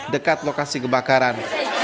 dekat lokasi kebakaran